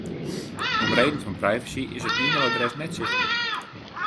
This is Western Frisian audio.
Om reden fan privacy is it e-mailadres net sichtber.